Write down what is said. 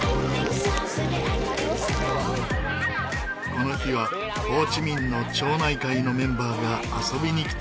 この日はホーチミンの町内会のメンバーが遊びに来ていました。